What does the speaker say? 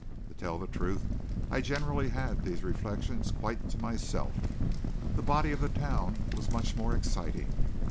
To tell the truth I generally had these reflections quite to myself. The body of the town was much more exciting.